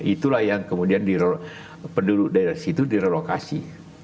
itulah yang kemudian penduduk dari situ direlokasi